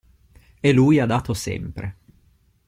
E lui ha dato sempre.